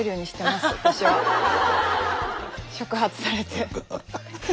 触発されて。